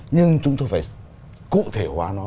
nhưng chúng ta phải cụ thể hóa nó